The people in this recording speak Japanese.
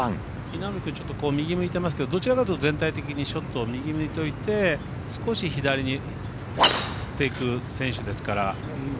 稲森君、右向いてますけどどちらかというと全体的にショットを右に見といて少し左に振っていく選手ですから。